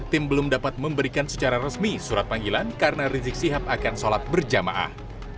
tim belum dapat memberikan secara resmi surat panggilan karena rizik sihab akan sholat berjamaah